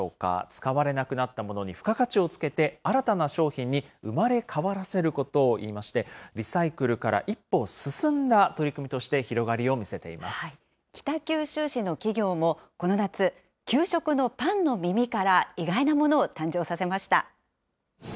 使われなくなったものに付加価値をつけて、新たな商品に生まれ変わらせることをいいまして、リサイクルから一歩進んだ取り組みと北九州市の企業もこの夏、給食のパンの耳から意外なものを誕生させました。